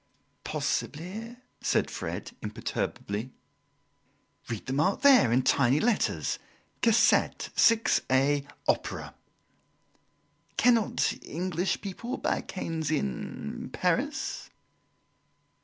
"Possibly," said Fred, imperturbably. "Read the mark there, in tiny letters: Cassette, 6a, Opera." "Cannot English people buy canes in Paris?"